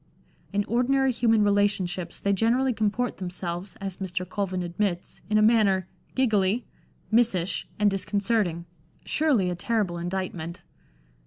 In ordinary human relationships they generally comport themselves, as Mr, Colvin admits, in a manner " giggly, missish, and disconcerting "— surely a terrible indictment.